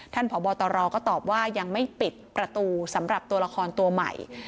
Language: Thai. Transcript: พบตรก็ตอบว่ายังไม่ปิดประตูสำหรับตัวละครตัวใหม่